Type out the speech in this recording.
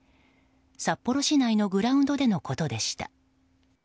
札幌市内のグラウンドでのことでした。